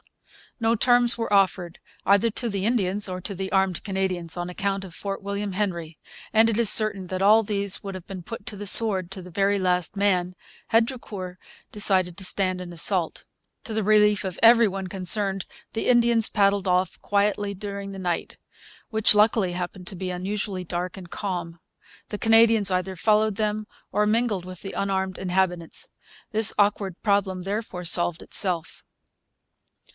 No terms were offered either to the Indians or to the armed Canadians, on account of Fort William Henry; and it is certain that all these would have been put to the sword, to the very last man, had Drucour decided to stand an assault. To the relief of every one concerned the Indians paddled off quietly during the night, which luckily happened to be unusually dark and calm. The Canadians either followed them or mingled with the unarmed inhabitants. This awkward problem therefore solved itself.